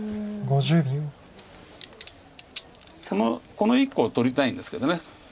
この１個を取りたいんですけど。